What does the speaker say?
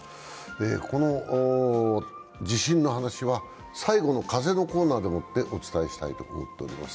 この地震の話は最後の「風」のコーナーでお伝えしたいと思います。